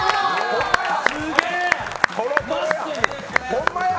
ホンマや！